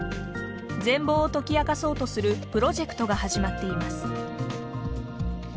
全貌を解き明かそうとするプロジェクトが始まっています。